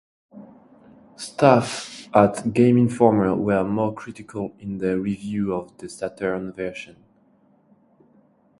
Staff at "Game Informer" were more critical in their review of the Saturn version.